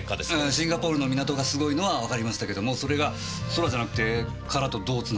シンガポールの港がすごいのはわかりましたけどもそれが「そら」じゃなくて「から」とどう繋がるんですか？